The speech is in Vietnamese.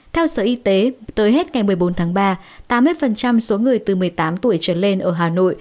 theo sở y tế tới hết ngày một mươi bốn tháng ba tám mươi số người từ một mươi tám tuổi trở lên ở hà nội